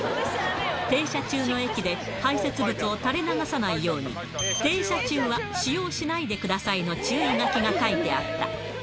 停車中の駅で排せつ物をたれ流さないように、停車中は使用しないでくださいの注意書きが書いてあった。